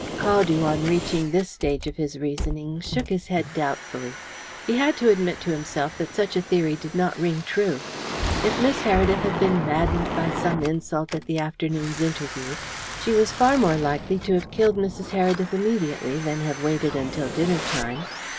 Caldew, on reaching this stage of his reasoning, shook his head doubtfully. He had to admit to himself that such a theory did not ring true. If Miss Heredith had been maddened by some insult at the afternoon's interview, she was far more likely to have killed Mrs. Heredith immediately than have waited until dinner time.